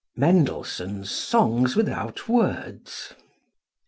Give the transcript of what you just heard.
Mendelssohn's "Songs Without Words."